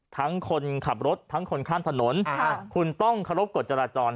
คนขับรถทั้งคนข้ามถนนคุณต้องเคารพกฎจราจร